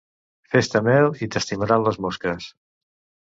Fes-te mel i t'estimaran les mosques.